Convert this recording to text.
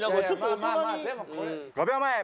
５秒前！